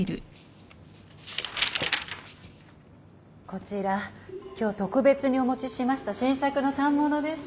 こちら今日特別にお持ちしました新作の反物です。